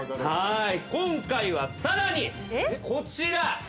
今回はさらにこちら。